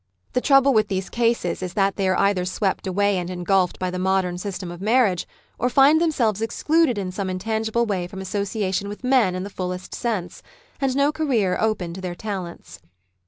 The trouble with these cases is that they are cither swept away and engulfed by the modern system of marriage, or find themselves excluded in some intangible way from association with men in the fullest sense, and no career open to their talents.